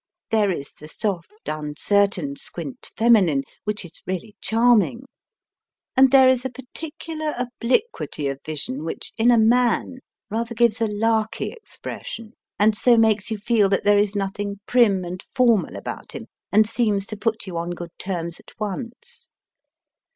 There is the soft uncertain squint feminine, which is really charming. HE SQUINTED ! And there is a particular obliquity of vision which, in a man, rather gives a larky expression, and so makes you feel that there is nothing prim and formal about him, and seems to put you on good terms at once.